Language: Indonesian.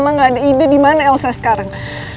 mama gak ada ide dimana elsa sekarang